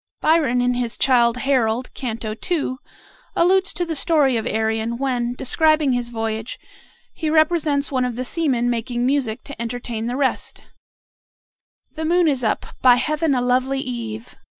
Byron, in his "Childe Harold," Canto II., alludes to the story of Arion, when, describing his voyage, he represents one of the seamen making music to entertain the rest: "The moon is up; by Heaven a lovely eve!